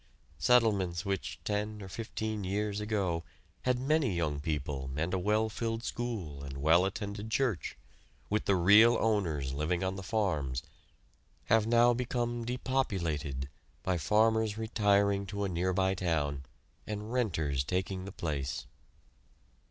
Settlements which, ten or fifteen years ago, had many young people and a well filled school and well attended church, with the real owners living on the farms, have now become depopulated by farmers retiring to a nearby town and "renters" taking the place.